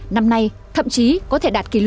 năm nay thậm chí có thể là hai năm tỷ usd